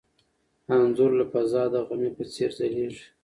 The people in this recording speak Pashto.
انځور له فضا د غمي په څېر ځلېږي.